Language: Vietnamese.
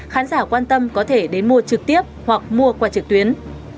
khán giả quan tâm có thể đến mua trực tiếp hoặc mua qua trực tuyến